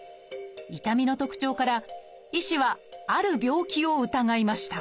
痛みの特徴から医師はある病気を疑いました。